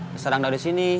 diserang dari sini